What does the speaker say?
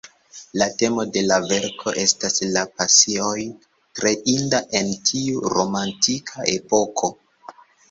La temo de la verko estas la pasioj, tre inda en tiu romantika epoko.